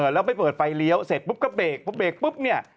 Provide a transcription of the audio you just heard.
แล้วไปเปิดไฟเลี้ยวเสร็จปุ๊บก็เบรกพอเบรกปุ๊บเนี่ย